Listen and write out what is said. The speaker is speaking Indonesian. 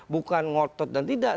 bukan ngotot dan tidak